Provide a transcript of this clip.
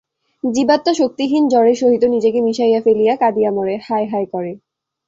জীবাত্মা শক্তিহীন জড়ের সহিত নিজেকে মিশাইয়া ফেলিয়া কাঁদিয়া মরে, হায় হায় করে।